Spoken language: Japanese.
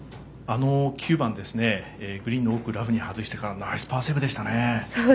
９番、グリーンの奥外してからナイスパーセーブでしたね。